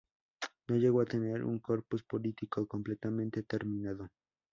No llegó a tener un corpus político completamente terminado.